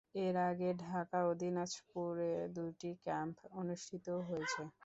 এর আগে ঢাকা ও দিনাজপুরে দুটি ক্যাম্প অনুষ্ঠিত হয়েছে।